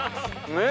ねえ。